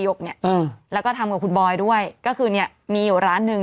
โยบเนี่ยอ่าแล้วก็ทำกับคุณบอยด้วยก็คือเนี่ยมีอยู่ร้านนึง